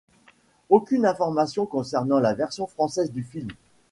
Aucune informations concernant la version française du film.